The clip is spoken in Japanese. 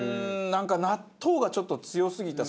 なんか納豆がちょっと強すぎた。